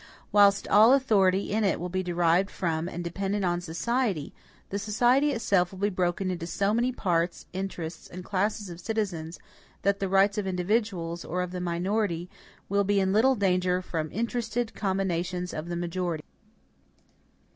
Whilst all authority in it will be derived from and dependent on the society, the society itself will be broken into so many parts, interests, and classes of citizens, that the rights of individuals, or of the minority, will be in little danger from interested combinations of the majority.